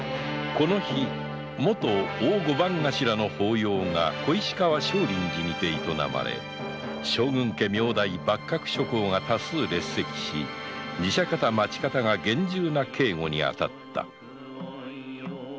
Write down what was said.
この日もと大御番頭の法要が正林寺にて営まれ将軍家名代幕閣諸侯が多数列席し寺社方・町方が厳重な警護に当たった